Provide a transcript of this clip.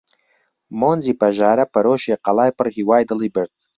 مۆنجی پەژارە پەرۆشی قەڵای پڕ هیوای دڵی برد!